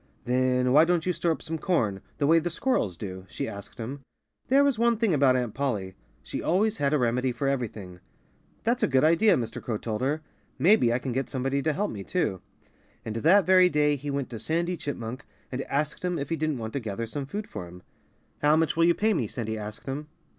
"Then why don't you store up some corn, the way the squirrels do?" she asked him. There was one thing about Aunt Polly she always had a remedy for everything. "That's a good idea!" Mr. Crow told her. "Maybe I can get somebody to help me, too." And that very day he went to Sandy Chipmunk and asked him if he didn't want to gather some food for him. "How much will you pay me?" Sandy asked him.